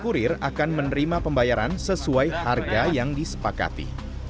kurir akan menerima pembayaran sesuai harga yang disepakati